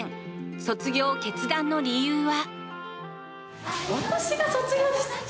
卒業決断の理由は。